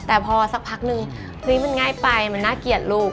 แต่พอสักพักนึงเฮ้ยมันง่ายไปมันน่าเกลียดลูก